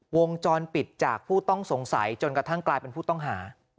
วงจรปิดจากผู้ต้องสงสัยจนกระทั่งกลายเป็นผู้ต้องหา